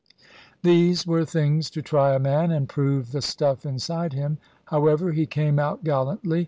These were things to try a man, and prove the stuff inside him. However, he came out gallantly.